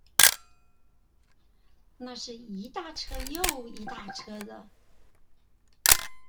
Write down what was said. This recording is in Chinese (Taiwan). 那是一大車又一大車的